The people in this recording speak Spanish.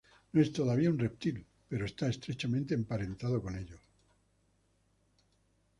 No es todavía un reptil, pero está estrechamente emparentado con ellos.